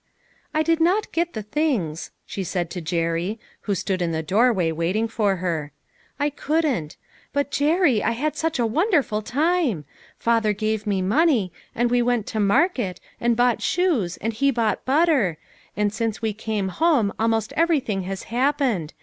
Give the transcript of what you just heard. " I did not get the things," she said to Jerry, who stood in the doorway waiting for her ;" I couldn't ; but, Jerry, I had such a wonderful time ! Father gave me money, and we went to market, and bought shoes and he bought butter ; and since we came home almost everything has happened.